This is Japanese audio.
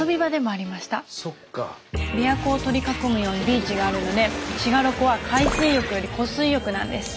びわ湖を取り囲むようにビーチがあるので滋賀ロコは海水浴より湖水浴なんです。